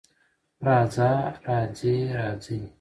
راځه، راځې، راځئ